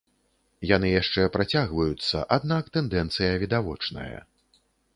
Яны яшчэ працягваюцца, аднак тэндэнцыя відавочная.